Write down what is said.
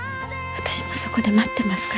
私もそこで待ってますから。